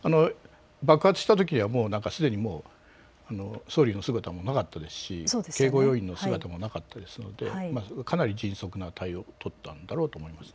爆発したときには何かすでに総理の姿もなかったですし警護要員の姿もなかったですので、かなり迅速な対応を取ったんだろうと思います。